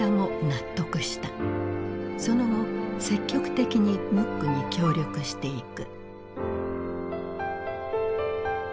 その後積極的にムックに協力していく。